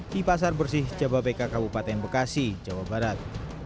di pasar bersih jawa bk kabupaten bekasi jawa barat